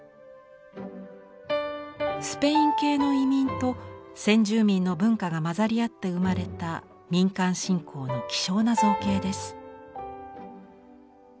スペイン系の移民と先住民の文化が混ざり合って生まれた民間信仰の希少な造形です。